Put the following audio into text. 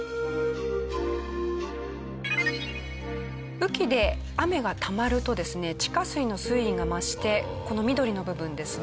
雨期で雨がたまるとですね地下水の水位が増してこの緑の部分ですね